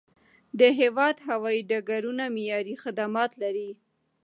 د هیواد هوایي ډګرونه معیاري خدمات لري.